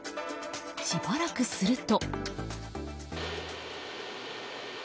しばらくすると。